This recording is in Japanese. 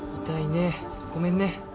ごめんね。